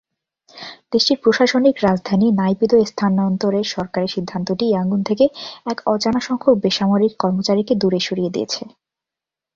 দেশটির প্রশাসনিক রাজধানী নাইপিদোয় স্থানান্তরের সরকারের সিদ্ধান্তটি ইয়াঙ্গুন থেকে এক অজানা সংখ্যক বেসামরিক কর্মচারীকে দূরে সরিয়ে দিয়েছে।